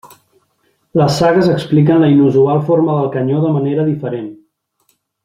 Les sagues expliquen la inusual forma del canyó de manera diferent.